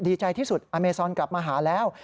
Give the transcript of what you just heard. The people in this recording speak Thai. ดีใจที่สุดอเมซอนกลับมาหาแล้ว